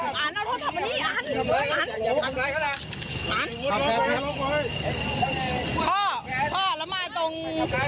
พ่อพ่อแล้วมาตรง